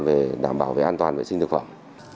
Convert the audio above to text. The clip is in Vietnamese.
về đảm bảo chất lượng vệ sinh thực phẩm